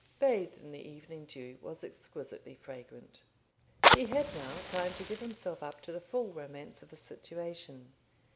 ] bathed in the evening dew, was exquisitely fragrant. He had now time to give himself up to the full romance of his situation.